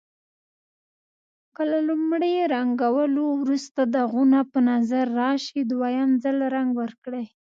که له لومړي رنګولو وروسته داغونه په نظر راشي دویم ځل رنګ ورکړئ.